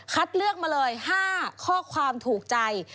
เลือกมาเลย๕ข้อความถูกใจ